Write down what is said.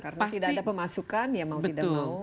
karena tidak ada pemasukan ya mau tidak mau